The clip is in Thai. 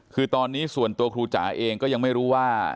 คือตอนนี้ส่วนตัวครูจ๋าเองก็ยังไม่รู้ว่า